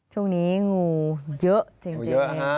ช่วงนี้งูเยอะเจ๋งเลย